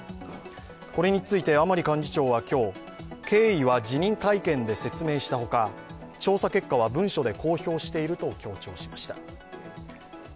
これについて甘利幹事長は今日、経緯は辞任会見で説明したほか、調査結果は文書で公表していると強調しました。